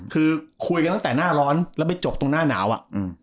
คือคุยกันตั้งแต่หน้าร้อนแล้วไปจบตรงหน้าหนาวอ่ะอืม